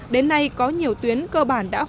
đến nay có nhiều tuyến cơ bản đã hoàn thành